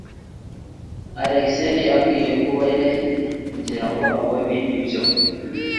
Alex yari akwiye kuba ahari kugirango abone ibyo.